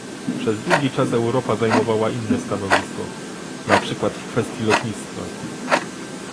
Przez długi czas Europa zajmowała inne stanowisko, na przykład w kwestii lotnictwa